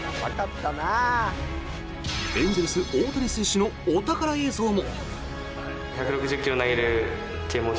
エンゼルス、大谷選手のお宝映像も。